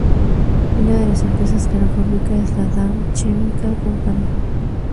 Una de las empresas que lo fabrica es la Dow Chemical Company.